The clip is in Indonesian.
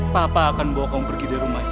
papa akan bawa kamu pergi dari rumah ini